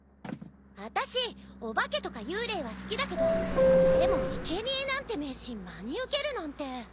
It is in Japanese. あたしお化けとか幽霊は好きだけどでもいけにえなんて迷信真に受けるなんて。